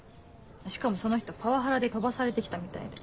しかもその人パワハラで飛ばされて来たみたいで。